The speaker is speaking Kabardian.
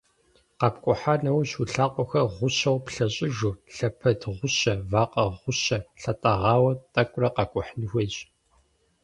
КъэпкӀухьа нэужь, уи лъакъуэхэр гъущэу плъэщӀыжу, лъэпэд гъущэ, вакъэ гъущэ лъытӀэгъауэ тӀэкӀурэ къэкӀухьын хуейщ.